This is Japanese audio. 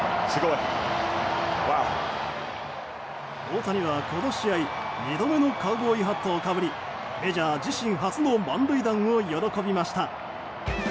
大谷は、この試合２度目のカウボーイハットをかぶりメジャー自身初の満塁弾を喜びました。